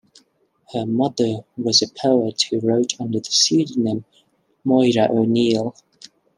Her mother was a poet who wrote under the pseudonym "Moira O'Neill".